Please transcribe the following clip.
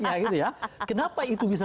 itu yang diluar perhitungan